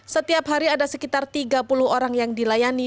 setiap hari ada sekitar tiga puluh orang yang dilayani